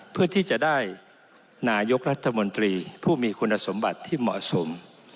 เพื่อที่จะได้นายกรัฐมนตรีผู้มีคุณสมบัติที่เหมาะสม